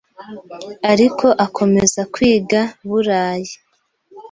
ariko akomeza kwiga buraye